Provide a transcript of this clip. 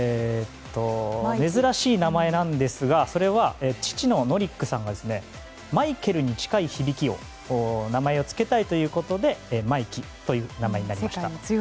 珍しい名前なんですがそれは、父のノリックさんがマイケルに近い響きの名前を付けたいということで真生騎という名前になりました。